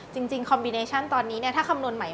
คอมบิเนชั่นตอนนี้ถ้าคำนวณใหม่